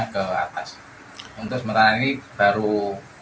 dua ratus lima puluh lima ke atas untuk menangani baru sedikit